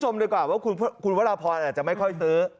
คุณผู้ชมด้วยกว่าว่าคุณวรพอาจจะไม่ค่อยซื้อ